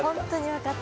分かった、